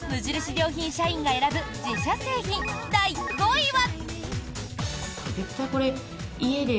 良品社員が選ぶ自社製品第５位は。